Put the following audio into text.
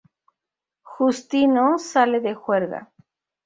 Justino sale de juerga.